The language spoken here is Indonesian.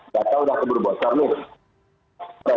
data udah keburu bocor nih